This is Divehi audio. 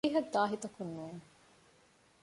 އޮފީހަށް ދާހިތަކުން ނޫން